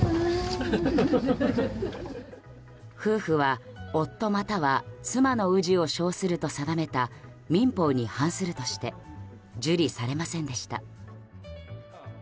夫婦は夫または妻の氏を称すると定めた民法に反するとして受理されませんでした。